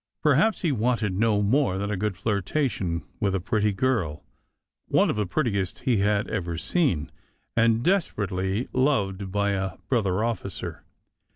Perhaps he wanted no more than a good flirtation with a pretty girl, one of the prettiest he had ever seen, and desperately loved by a brother officer.